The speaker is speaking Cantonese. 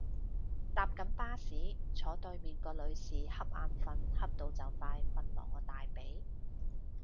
搭緊巴士，坐對面個女士恰眼瞓恰到就快瞓落我大髀